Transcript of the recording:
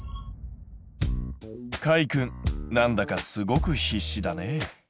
かいくん何だかすごく必死だね。